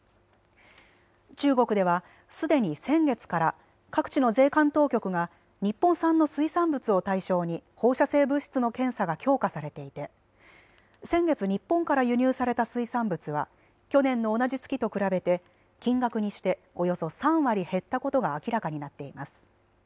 中国ではすでに先月から各地の税関当局が日本産の水産物を対象に放射性物質の検査が強化されていて先月、日本から輸入された水産物は去年の同じ月と比べて金額にしておよそ３割減ったことが明らかになっています。